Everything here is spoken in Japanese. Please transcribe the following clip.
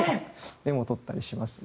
メモ取ったりしますね。